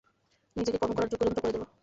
নিজেকে কর্ম করার যোগ্য যন্ত্র করে তোল।